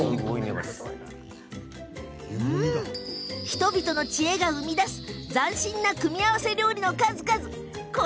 人々の知恵が生み出す斬新な組み合わせ料理の数々。